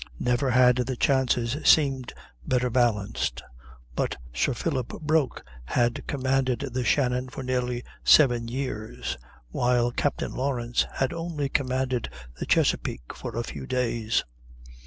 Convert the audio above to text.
Never had the chances seemed better balanced, but Sir Philip Broke had commanded the Shannon for nearly seven years, while Captain Lawrence had only commanded the Chesapeake for a few days.